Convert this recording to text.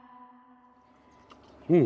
うん！